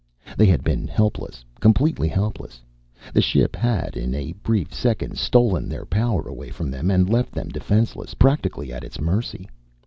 They had been helpless, completely helpless. The ship had, in a brief second, stolen their power away from them and left them defenseless, practically at its mercy.